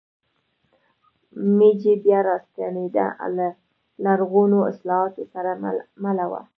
میجي بیا راستنېدنه له رغوونکو اصلاحاتو سره مله وه.